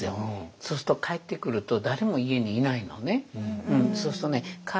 そうすると帰ってくると誰も家にいないのね。